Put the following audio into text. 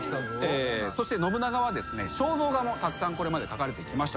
そして信長は肖像画もたくさんこれまで描かれてきました。